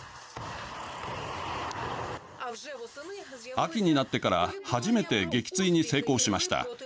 秋になってから初めて撃墜に成功しました。